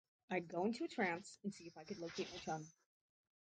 I'd go into a trance and see if I could locate my chum.